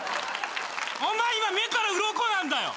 お前今目からうろこなんだよ。